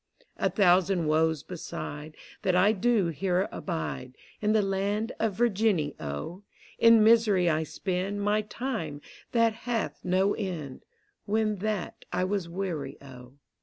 A thousand Woes beside. That I do here abide. In the land of Virginny, O: In misery I spend My time that hath no end. When that I was weary, O.